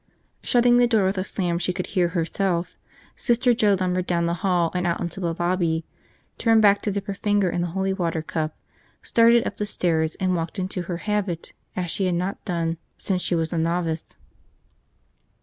Shutting the door with a slam she could hear herself, Sister Joe lumbered down the hall and out into the lobby, turned back to dip her finger in the holy water cup, started up the stairs, and walked into her habit as she had not done since she was a novice.